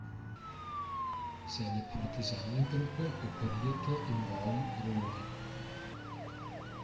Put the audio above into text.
Seine Partisanengruppe operierte im Raum Rom.